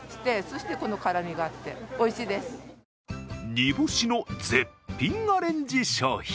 煮干しの絶品アレンジ商品。